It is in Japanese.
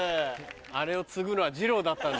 あれを継ぐのはじろうだったんだな。